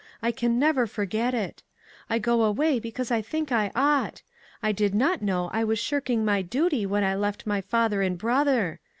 I can never forget it. I go away because I think I ought. I did not know I was shirking my duty when I left my father and brother.